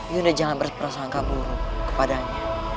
yunda jangan berperasaan tak buruk kepadanya